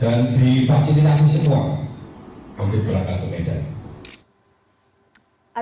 dan dipasangin aku semua untuk berangkat ke medan